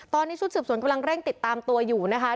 ตอนนี้ชุดสืบสวนกำลังเร่งติดตามตัวอยู่นะคะ